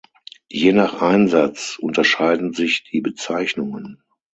Je nach Einsatz unterscheiden sich die Bezeichnungen.